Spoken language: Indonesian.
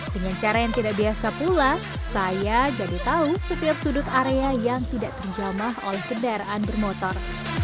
dengan cara yang tidak biasa pula saya jadi tahu setiap sudut area yang tidak terjamah oleh kendaraan bermotor